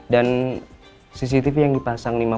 dan cctv yang dipasang